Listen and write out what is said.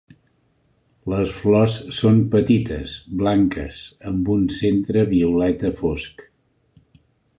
Les flors són petites, blanques amb un centre violeta fosc.